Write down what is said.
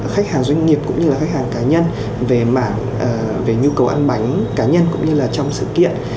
khách hàng doanh nghiệp cũng như là khách hàng cá nhân về mảng về nhu cầu ăn bánh cá nhân cũng như là trong sự kiện